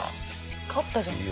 勝ったじゃん。